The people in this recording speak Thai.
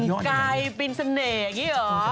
กายเป็นเสน่ห์อย่างนี้เหรอ